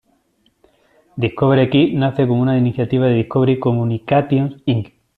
Discovery Kids nace como una iniciativa de Discovery Communications Inc.